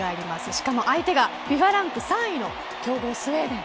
しかも相手がＦＩＦＡランク３位の強豪スウェーデン。